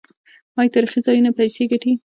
آیا تاریخي ځایونه پیسې ګټي؟